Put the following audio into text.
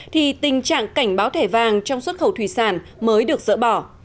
thì tình trạng cảnh báo thẻ vàng trong xuất khẩu thủy sản mới được dỡ bỏ